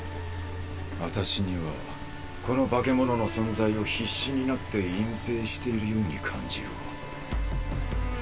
アタシにはこの化け物の存在を必死になって隠ぺいしているように感じるわ。